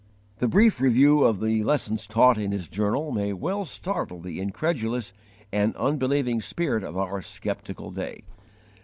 The brief review of the lessons taught in his journal may well startle the incredulous and unbelieving spirit of our skeptical day.